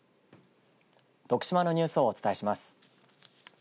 徳島のニュースをお伝えします。